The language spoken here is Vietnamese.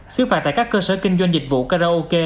xứ phạt tại các cơ sở kinh doanh dịch vụ karaoke